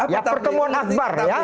ya pertemuan akbar